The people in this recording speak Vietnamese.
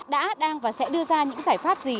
đã đang và sẽ đưa ra những giải pháp gì